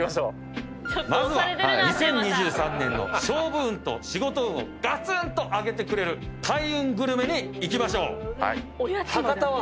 まずは２０２３年の勝負運と仕事運をがつん！と上げてくれる開運グルメに行きましょう。